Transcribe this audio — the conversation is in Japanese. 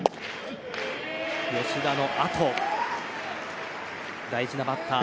吉田のあと大事なバッター。